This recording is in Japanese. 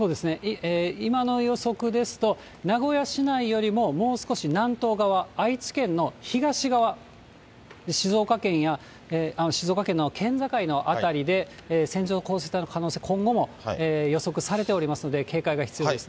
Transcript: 今の予測ですと、名古屋市内よりももう少し南東側、愛知県の東側、静岡県の県境の辺りで、線状降水帯の可能性、今後も予測されておりますので、警戒が必要です。